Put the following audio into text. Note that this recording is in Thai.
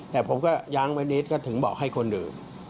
แต่ผมก็ยั้งไว้นิดก็ถึงบอกให้คนดื่ม